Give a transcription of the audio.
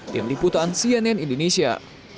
dan liputan cnn indonesia